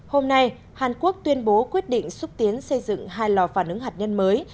hôm nay hàn quốc tuyên bố quyết định xúc tiến xây dựng hai lò phản ứng hạt nhân mới